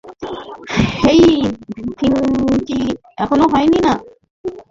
হেই, Finchy, এখনো হয় নি, না?